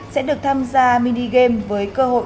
sẽ được tham gia minigame với cơ hội